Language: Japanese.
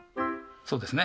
そうですね。